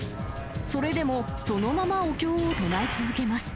それでも、そのままお経を唱え続けます。